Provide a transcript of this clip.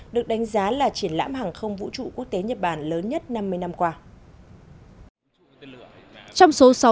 được đánh giá là triển lãm hàng không vũ trụ quốc tế nhật bản lớn nhất năm mươi năm qua